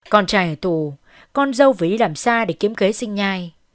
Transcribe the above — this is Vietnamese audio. con trai ở tù con dâu vĩ làm xa để kiếm ghế sinh nhai